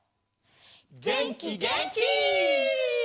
げんきげんき！